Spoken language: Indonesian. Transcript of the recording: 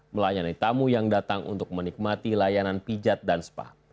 melayani tamu yang datang untuk menikmati layanan pijat dan spa